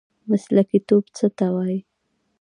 مسلکي توب څه ته وایي؟